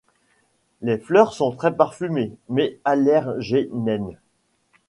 Les fleurs sont très parfumées mais allergènenes.